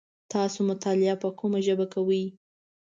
تاسو مطالعه په کومه ژبه کوی ؟